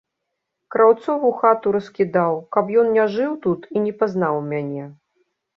Краўцову хату раскідаў, каб ён не жыў тут і не пазнаў мяне.